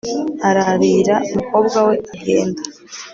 ararira umukobwa we agenda